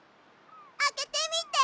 あけてみて！